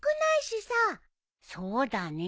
そうだね。